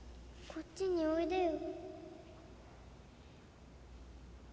こっちにおいでよ。